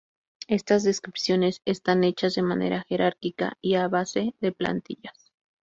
Estas descripciones están hechas de manera jerárquica y a base de plantillas.